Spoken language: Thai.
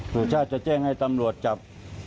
สุชาติจะแจ้งให้ตำรวจจับ